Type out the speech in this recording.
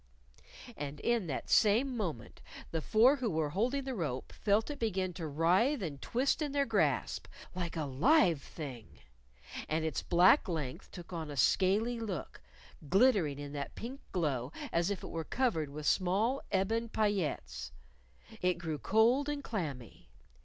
_" And in that same moment, the four who were holding the rope felt it begin to writhe and twist in their grasp! like a live thing. And its black length took on a scaly look, glittering in that pink glow as if it were covered with small ebon paillettes. It grew cold and clammy.